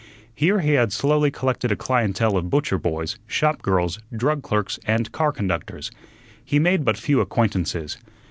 Here he had slowly collected a clientele of butcher boys, shop girls, drug clerks, and car conductors. He made but few acquaintances.